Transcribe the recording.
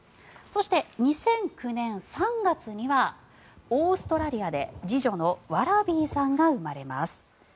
そして、２００９年３月にはオーストラリアで次女のワラビーさんが生まれます。